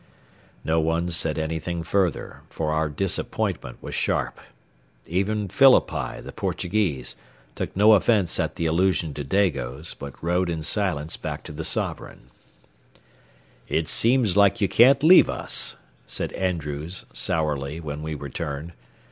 No one said anything further, for our disappointment was sharp. Even Phillippi, the Portuguese, took no offence at the allusion to Dagos, but rowed in silence back to the Sovereign. "It seems like you can't leave us," said Andrews, sourly, when we returned.